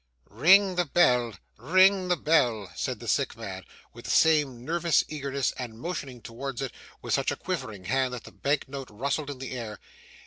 'Ring the bell, ring the bell,' said the sick man, with the same nervous eagerness, and motioning towards it with such a quivering hand that the bank note rustled in the air.